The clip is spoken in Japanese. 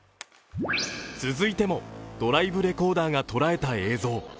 続いてもドライブレコーダーがとらえた映像。